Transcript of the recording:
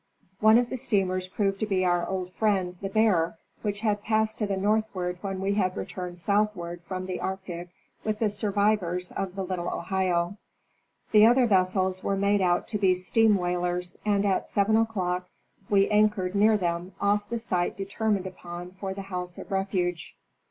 One of the steamers proved to be our old friend the " Bear," which had passed to the northward when we had returned south ward from the Arctic with the survivors of the " Little Ohio." The other vessels were made out to be steam whalers, and at seven o'clock we anchored near them, off the site determined upon for the house of refuge.